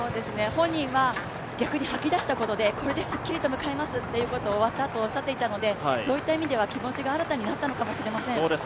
本人は逆に吐き出したことで、これですっきりと走れますと終わったあと、おっしゃっていたので、そういう意味では気持ちが新たになったのかもしれません。